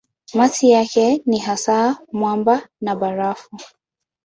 Masi yake ni hasa mwamba na barafu.